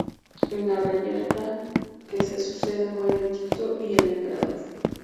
En la reyerta que se sucede mueren Tito y el emperador.